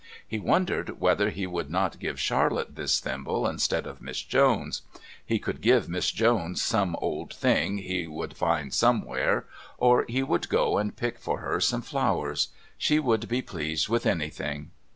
He wondered whether he would not give Charlotte this thimble instead of Miss Jones. He could give Miss Jones some old thing he would find somewhere, or he would go out and pick for her some flowers. She would be pleased with anything.